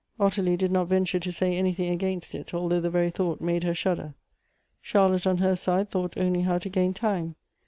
Ottilie did not venture to say anything against it, although the very thought made her shudder. Char lotte, on her side, thought only how to gain time.